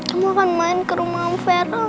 kamu akan main ke rumah om vero